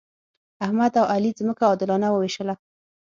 احمد او علي ځمکه عادلانه وویشله.